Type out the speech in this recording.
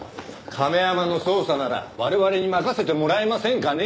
亀山の捜査なら我々に任せてもらえませんかね。